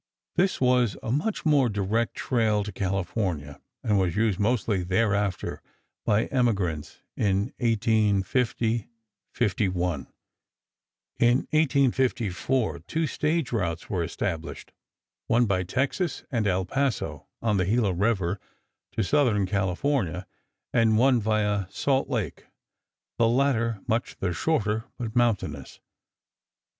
This was a much more direct trail to California and was used mostly thereafter by emigrants in 1850 51. In 1854 two stage routes were established, one by Texas and El Paso, on the Gila River, to Southern California, and one via Salt Lake, the latter much the shorter, but mountainous.